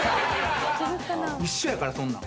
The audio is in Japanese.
一緒やからそんなん。